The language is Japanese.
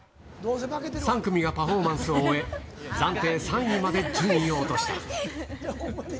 ３組がパフォーマンスを終え、暫定３位まで順位を落とした。